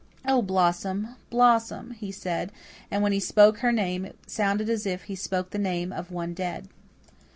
"Oh, Blossom, Blossom!" he said, and when he spoke her name it sounded as if he spoke the name of one dead.